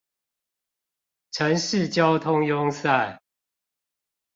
城市交通壅塞